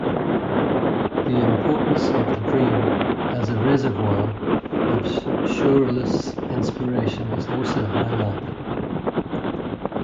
The importance of the dream as a reservoir of Surrealist inspiration is also highlighted.